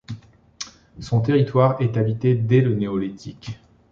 Son territoire est habité dès le Néolithique.